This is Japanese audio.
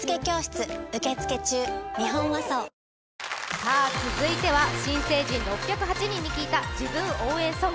さぁ続いては新成人６０８人に聞いた自分応援ソング。